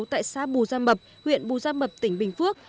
tại xã bù gia mập huyện bù gia mập tỉnh bình phước